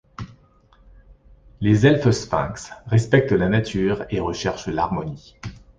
Les elfes-sphinx respectent la nature et recherchent l'harmonie.